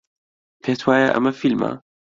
پێت وایە ئەمە فیلمە؟